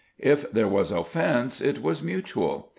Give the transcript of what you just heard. If there was offence, it was mutual!